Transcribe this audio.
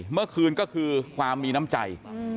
เมื่อคืนก็คือความมีน้ำใจ